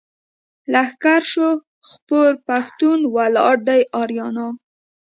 لښکر شو خپور پښتون ولاړ دی اریان.